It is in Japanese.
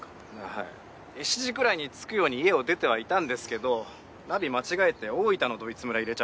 はい７時くらいに着くように家を出てはいたんですけどナビ間違えて大分のドイツ村入れちゃってて。